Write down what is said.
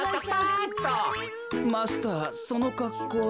マスターそのかっこうは。